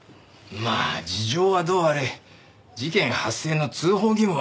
まあ事情はどうあれ事件発生の通報義務はあったと思うぞ。